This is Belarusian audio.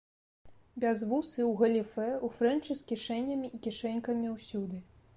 Бязвусы, у галіфэ, у фрэнчы з кішэнямі і кішэнькамі ўсюды.